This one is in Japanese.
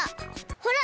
ほら！